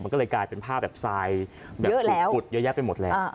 มันก็เลยกลายเป็นผ้าแบบทรายแบบถูกขุดเยอะแยะไปหมดแล้ว